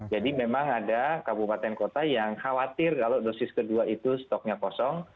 jadi memang ada kabupaten kota yang khawatir kalau dosis kedua itu stoknya kosong